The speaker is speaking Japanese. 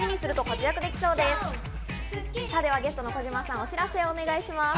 ゲストの小島さん、お知らせをお願いします。